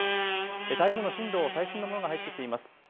台風の進路、最新のものが入ってきています。